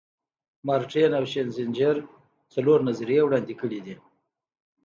مارټین او شینزینجر څلور نظریې وړاندې کړي.